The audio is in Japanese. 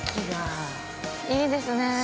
◆いいですね。